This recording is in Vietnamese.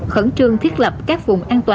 khẩn trương thiết lập các vùng an toàn